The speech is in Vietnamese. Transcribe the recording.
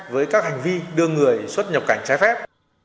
với các hành vi đưa người xuất nhập cảnh trái phép